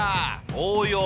応用！